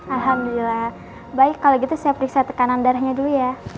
alhamdulillah baik kalau gitu saya periksa tekanan darahnya dulu ya